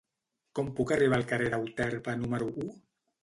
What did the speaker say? Com puc arribar al carrer d'Euterpe número u?